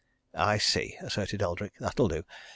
"I see," asserted Eldrick. "That'll do!